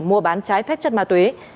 mua bán trái phép chất ma túy